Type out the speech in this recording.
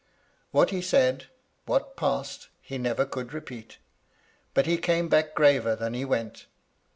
" What he said, what passed, he never could repeat ; but he came back graver than he went.